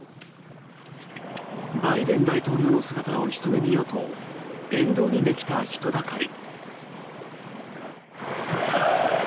バイデン大統領の姿をひと目見ようと沿道にできた人だかり。